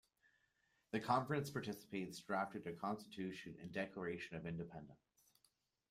The conference participants drafted a constitution and declaration of independence.